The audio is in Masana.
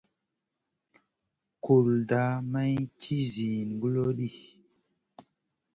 Kulda may ci ziyn kulo ɗi.